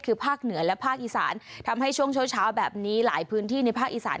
คือภาคเหนือและภาคอีสานทำให้ช่วงเช้าเช้าแบบนี้หลายพื้นที่ในภาคอีสาน